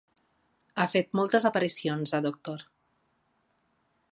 Ha fet moltes aparicions a 'Dr.